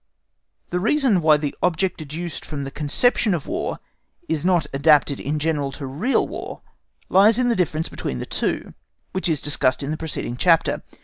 The reason why the object deduced from the conception of War is not adapted in general to real War lies in the difference between the two, which is discussed in the preceding chapter.